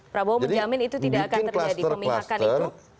prabowo menjamin itu tidak akan terjadi